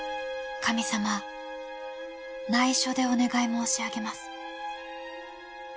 神様内緒でお願い申し上げます